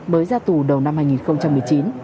mới ra tù đầu năm hai nghìn một mươi chín